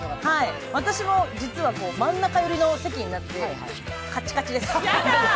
私も真ん中寄りの席になって、カチカチです。